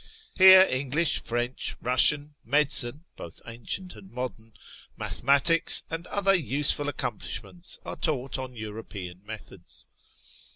Here English, French, Eussian, Medicine (both ancient and modern), Mathematics, and other useful accomplishments are taught on European methods.